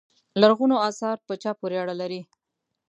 لرغونو اثار په چا پورې اړه لري.